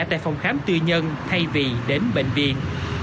tại phòng khám tư nhân thay vì đến bệnh viện